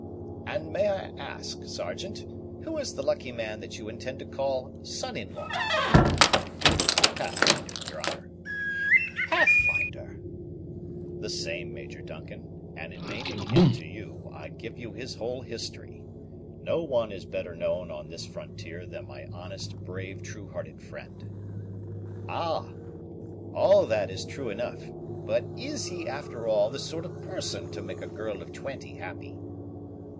"And may I ask, Sergeant, who is the lucky man that you intend to call son in law?" "The Pathfinder, your honor." "Pathfinder!" "The same, Major Duncan; and in naming him to you, I give you his whole history. No one is better known on this frontier than my honest, brave, true hearted friend." "All that is true enough; but is he, after all, the sort of person to make a girl of twenty happy?"